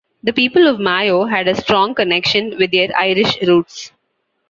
The people of Mayo had a strong connection with their Irish roots.